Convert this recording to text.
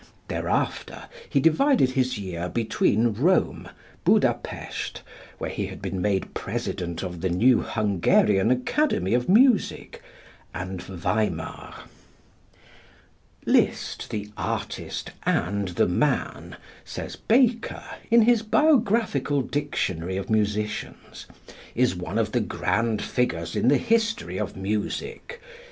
Thereafter he divided his year between Rome, Buda Pest, where he had been made President of the new Hungarian Academy of Music, and Weimar. "Liszt, the artist and the man," says Baker, in his "Biographical Dictionary of Musicians," "is one of the grand figures in the history of music.